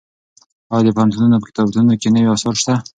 ایا د پوهنتونونو په کتابتونونو کې نوي اثار شته؟